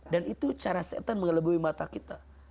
dan itu cara setan mengalami mata kita